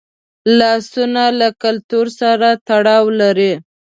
لاسونه له کلتور سره تړاو لري